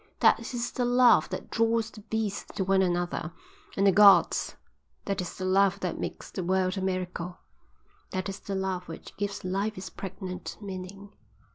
That is the love that draws the beasts to one another, and the Gods. That is the love that makes the world a miracle. That is the love which gives life its pregnant meaning.